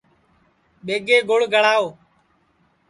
ٻیگے گھُڑ گݪاؤ